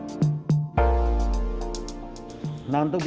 nah ini baru ada banyak hal yang kita perlu lakukan untuk menumbuhkan konten ini